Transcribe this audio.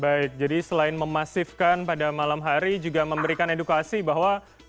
baik jadi selain memasifkan pada malam hari juga memberikan edukasi bahwa